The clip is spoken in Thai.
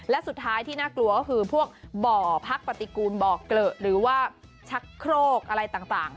และสุดท้ายที่น่ากลัวก็คือพวกบ่อพักปฏิกูลบ่อเกลอะหรือว่าชักโครกอะไรต่าง